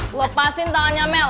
lepasin tangannya mel